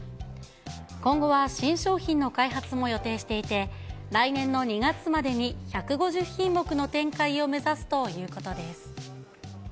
今後は新商品の開発も予定していて、来年の２月までに１５０品目の展開を目指すということです。